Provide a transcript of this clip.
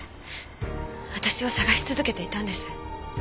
私を捜し続けていたんです。